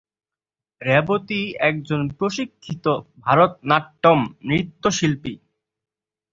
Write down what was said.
রেবতী একজন প্রশিক্ষিত ভারতনাট্যম নৃত্যশিল্পী।